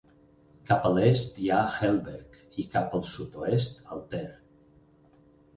Cap a l'est hi ha Helberg i cap al sud-oest, Alter.